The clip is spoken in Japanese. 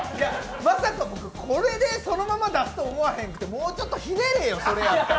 まさかこれでそのまま出すと思うんくてもうちょっとひねれよ、それやったら！